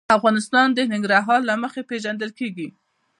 افغانستان د ننګرهار له مخې پېژندل کېږي.